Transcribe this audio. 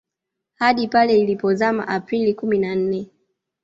Hadi pale ilipozama Aprili kumi na nne